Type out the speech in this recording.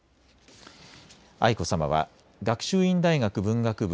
愛子さまは学習院大学文学部